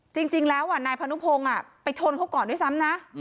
จริงจริงแล้วอ่ะนายพานุพงอ่ะไปชนเขาก่อนด้วยซ้ำนะ